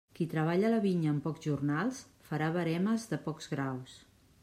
Qui treballa la vinya amb pocs jornals farà veremes de pocs graus.